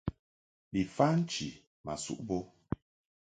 Bi fa nchi ma suʼ bo.